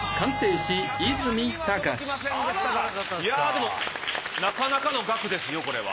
でもなかなかの額ですよこれは。